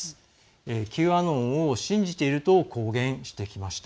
Ｑアノンを信じていると公言してきました。